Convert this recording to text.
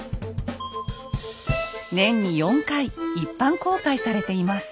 年に４回一般公開されています。